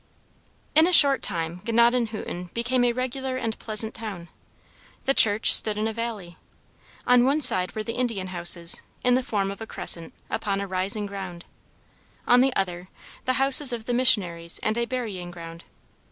In a short time Gnadenhutten became a regular and pleasant town. The church, stood in a valley. On one side were the Indian houses, in the form of a crescent, upon a rising ground; on the other, the houses of the missionaries and a burying ground.